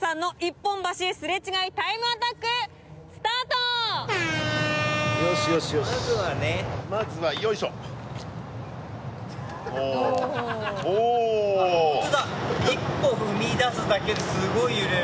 本当だ１歩踏み出すだけですごい揺れる。